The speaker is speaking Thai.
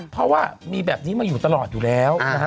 เพราะว่ามีแบบนี้มาอยู่ตลอดอยู่แล้วนะฮะ